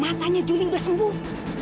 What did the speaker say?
matanya juli udah sembuh